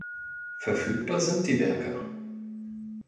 Verfügbar sind die Werke